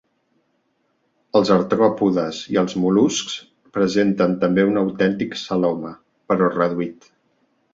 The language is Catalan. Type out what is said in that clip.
Els artròpodes i els mol·luscs presenten també un autèntic celoma, però reduït.